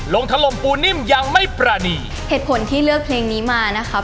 ทะลมปูนิ่มยังไม่ปรานีเหตุผลที่เลือกเพลงนี้มานะครับ